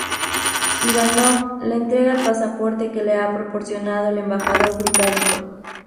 Ivanov le entrega el pasaporte que le ha proporcionado el embajador británico.